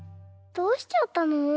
どうしちゃったの？